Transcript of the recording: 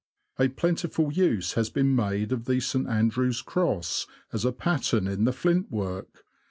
A plentiful use has been made of the St. Andrew's Cross, as a pattern, in the fiintwork.